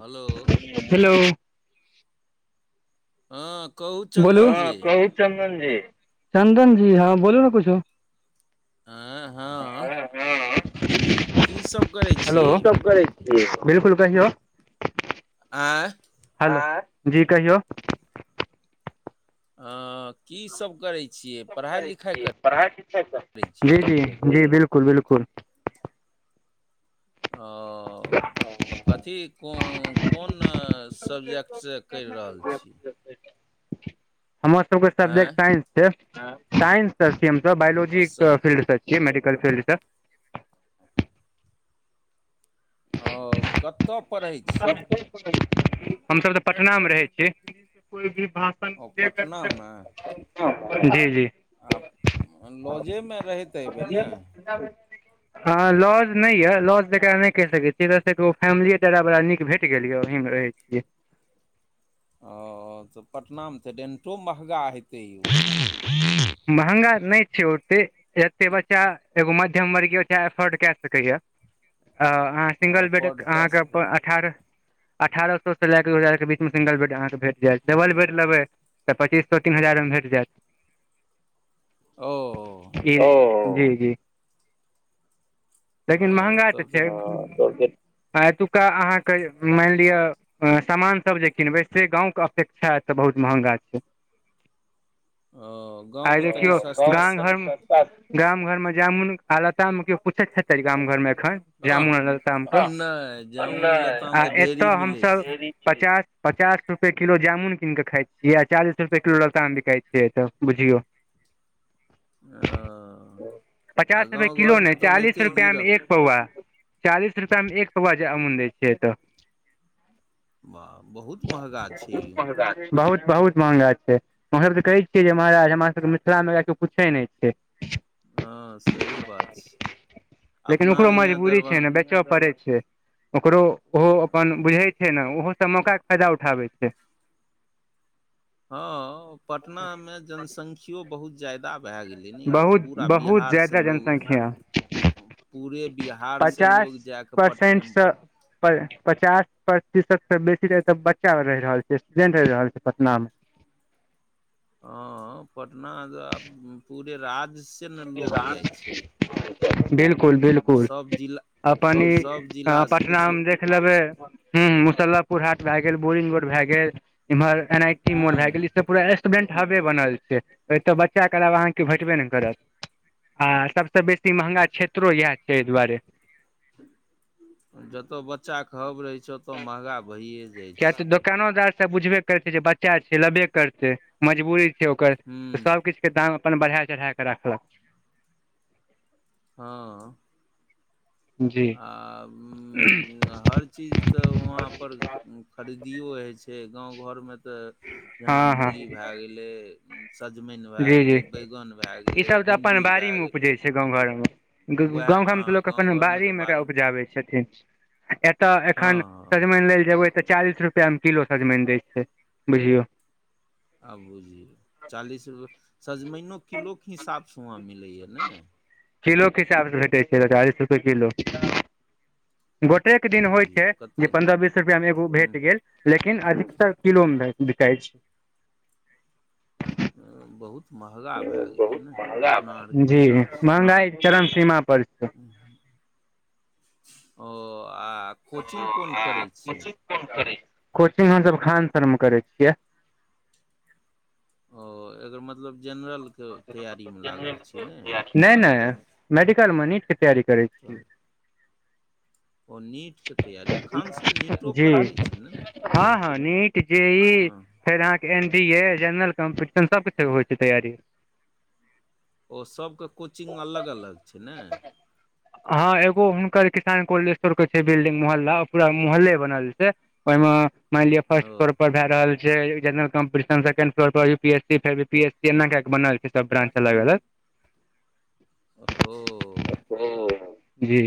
Hello. Hello. हँ कहु चन्दनजी। चंन्दन जी, चंन्दन जी हँ बोलू ने कुछो। आंय हँ। [unintelligible] की सब करै हेलो छियै यौ बिल्कुल कहियौ। आँय आँय हेलो जी कहियौ। अंऽ की सब करै छियै की सब पढ़ाइ करय लिखाइ छी, पढाइ- लिखाय करय करै छियै जी- जी -जी बिल्कुल- बिल्कुल ओऽ कथी, कौऽ ओं न-कौनऽ सब्जेक्ट सँ कैर रहल छी। [unintelligible] हमर सब के सब्जेक्ट आँय साइंस छैय, साइंस से छीय हम सब ओ बायोलॉजी स के फील्ड स छी मेडिकल फील्ड स आऽ उ कतऽ [unintelligible] हम सब तऽ पटना मे रहै छी। भाषण ओ के कतेक पटनामे हं ह जे जी -जी। आब, लॉजे में रहैत हेबै न। हँ लॉज नैय ये, लॉज ऐकरा नैय कैह सकै छि, सेकरो फैमिली ये डेरा बड़ा नीक भेट गेल य, ओहि में रहै छि। ओऽ तऽ पटना मे तऽ डेन्टो महंगा हेतै यौ। महँगा नैय छैय ओते। एत्ते बच्चा, एगो मध्यम वर्गीय बच्चा एफोर्ड क सकै ये। अऽ, आहाँ सिंगल बेड एफोर्ड आहाँ कए के सकै पऽ अठारह अठारह सौ से ले के, दु हजार के बीच मे सिंगल बेड आहाँ के भेट जेत, डबल बेड लेबै तऽ पच्चीस सौ तीन हजार मे भेट जेत। ओऽ ओ जी- जी लेकिन हँ महँगा तऽ तब छैय, एतुक का आहाँ के मेन लिय सामान सब जे किनबै, से गांव के अपेक्षा एतऽ बहुत महंगा छैय। ओ आय गाँवमे तनि देखियौ सस्ता गाँव घर में गाम घर मे जामुन आ लताम के पुछैत हेतै, गाम घर मे एखन हँ जामुन आ लताम सब नहि जामुन नय लताम आ तऽ ढेरी एतऽ हम मिलै सब छै पचास पचास रुपये किलो जामुन कीन कऽ खाय छिय, आ चालीस रुपये किलो लताम बिकाय से अत बुझियौ। ओ आ पचास रुपये गाँव किलो नेै, घरमे तऽ चालीस ओनाहिते रुपया मे गिरल एक पौआ, चालीस रुपया मे एक पौआ जामुन दैय छैय अत। बा बहुत महँगा छै यौ। बहुत -बहुत महँगा छै एम्हर जे कहै छियै जे महँगा छय, हमरा सबके मिथिला मे ऐकरा कियो पूछै ने छय। हँ सही बात छैय, अपना और इहाँ दरबा चऽ पड़ै छै, ओकरो ओहो अपन बुझै छैय न, ओहो सब मौका के फायदा उठाबै छैय। हंऽ पटना में जनसंख्यो बहुत ज्यादा भै गेलेै। तैने यो बहुत पूरा बहुत बिहार स जादा लोग जनसंख्या पूरे बिहार स लोग जा कऽ पटने मे बसय पर पचास प्रतिशत सँ बेसी तऽ अत बच्चा रैह रहल छैय, स्टूडेंट रैह रहल छैय पटना में। हँऽ, पटना त आब पूरे राज्य स [unintelligible] बिल्कुल बिल्कुल, सभ जिला अपन ई सभ जिलासँ पटना किछु मे देख ह लेबे हुंऽ मुस्लबपुर हाट भे गेल, बोरिंग रोड भे गेल, इम्हर एन आइ टी मोन भे गेल, हुँ ई सब पूरा स्टबडेंट् हबे बनल छै, अतऽ बच्चा के अलावा अहां के केयो आहाँ के भेटबे नेै करत। आ सब सँ बेसी महँगा क्षेत्रो इएह छै, अय दुआरे। जत बच्चा के हब रहै छै, ओत महंगा भये जाइ किया छै। दोकानोदार सब बुझबे करै छै, जे बच्चा छै लबे करतै, मजबूरी छै ओकर, हुँ सबकिछ के दाम अपन बढ़े चढ़े क राखल क। हँऽ जी आब उं हर चीज तऽ वहाँ पर खरिदियो होइ छै, गाँव घरमे तऽ जेना हँ हँ मूली भे गेल। गेलै सजमनि भे जी जी गेलै, बैंगन भे गेलै ईसभ तऽ अपन भिण्डी भे बाड़ीमे गेलै। उपजै छै गाँव घर में, उएह गाँव घरमे हँ तऽ लोक गाँव अपन घरमे तऽ बाड़ी मे एकरा बाड़ीमे उपजाबै छथिन। एतय हँ एखन हँ सजमनि लै ल जेबै, तऽ चालीस रुपैया मे किलो सजमनि दै छै बुझयौ। आब बुझियौ चालीस रुपए, सजमैनो किलोके हिसाब सँ वहाँ मिलैए नै। किलो के हिसाब सँ भेटै छै त चालीस रुपए किलो। गोटेके दिन होइ छै, बुझियौ जे कते पन्द्रह बीस रुपया मे एगो भेट हूँ गेल। लेकिन अधिकतर किलो मे बिकाइ छै। अ बहुत महगा भए गेलै बहुत ने महंगा अपना भ आरके गेल, जी हिसाबसँ मंहगाई चरम सीमा पर छै। ओ आ कोचिंग कोन करै छी? कोचिंग हमसभ खान सर मे करै छिय। ओ एकर मतलब जेनरल के तैयारी मे लागल छिय नै। नहि -नहि, मेडिकल में नीट के तैयारी करै छी। [inaudible] ओ नीट के तैयारी, खान सर नीटो जी करबै छै नै न। हँ- हँ, नीट जेई फेर अहाँके, N D A general competition सब किछ होइ छै तैयारी। ओ सबके कोचिंग अलग- अलग छै नै। हँ एगो हुनकर किसान कोल्डस्टोर छै बिल्डिंग मोहल्ला, पूरा मोहल्ले बनल छै, ओहि मे मानि लिय फर्स्ट ओ फ्लोर पर भे रहल छै जेनरल कॉम्पटिशन, सकैण्ड फलोर पर यू पी एस सी, फेर बी पी एस सी एना के क बनल छै। सब ब्रांच अलग- अलग ओहो ओ जी।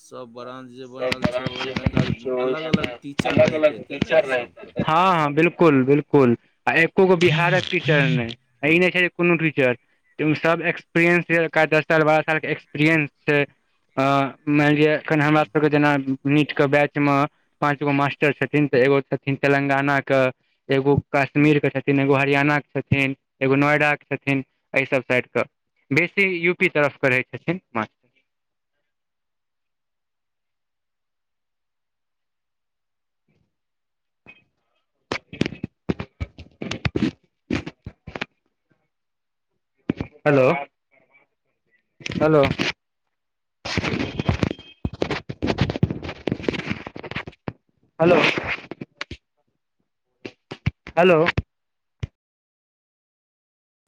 सभ ब्रांच जे सब बनल छै ब्रांच जे ओहिमे तऽ बनल छय ओय अलग में अलग नय, टीचर रहित अलग-अलग हेतै ने टीजर रहेत सभके हेतय। हँ- हँ बिल्कुल -बिल्कुल आ एकोगो बिहारक टीचर नहि। आ ई नहि छै जे कोनो टीचर। तय में ओ सभ एक्सपीरिएंस छै, जकरा दस साल बारह सालके एक्सपीरिएंस छै। ह मानि लिय एखन हँ हमरा सभके जेना नीट के बैच मे पाँच गो मास्टर छथिन, तऽ एगो छथिन तेलंगाना के एगो कश्मीरके छथिन, एगो हरियाणा के छथिन, एगो नोएडाके छथिन। एहि सभ साइडके, बेसी यू पी तरफके रहै छथिन मास हेलो हेलो हेलो हेलो